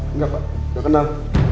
enggak pak gak kenal